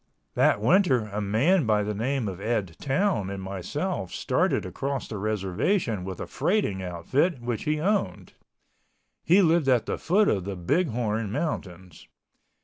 That winter a man by the name of Ed Town and myself started across the reservation with a freighting outfit, which he owned. He lived at the foot of the Big Horn Mountains.